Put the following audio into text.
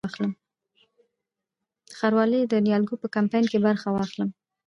د ښاروالۍ د نیالګیو په کمپاین کې برخه واخلم؟